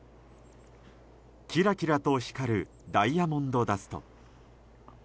キラキラと光るダイヤモンドダスト。